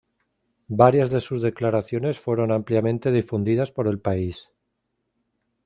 Varias de sus declaraciones fueron ampliamente difundidas por el país.